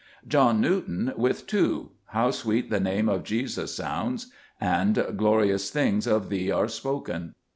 John Newton, with two, — "How sweet the Name of Jesus sounds," and "Glorious things of thee are spoken."